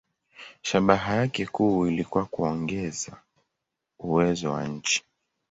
Shabaha yake kuu ilikuwa kuongeza uwezo wa nchi.